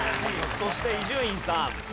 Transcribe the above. そして伊集院さん。